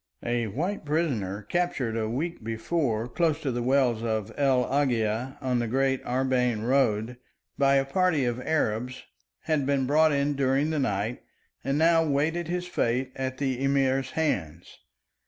A white prisoner captured a week before close to the wells of El Agia on the great Arbain road, by a party of Arabs, had been brought in during the night and now waited his fate at the Emir's hands.